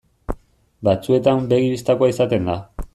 Batzuetan begi bistakoa izaten da.